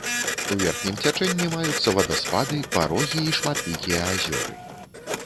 У верхнім цячэнні маюцца вадаспады, парогі і шматлікія азёры.